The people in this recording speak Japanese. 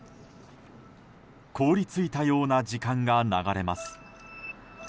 凍り付いたような時間が流れます。